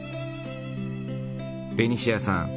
ベニシアさん